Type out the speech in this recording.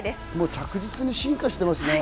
着実に進化してますね。